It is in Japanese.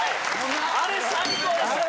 あれ最高でした！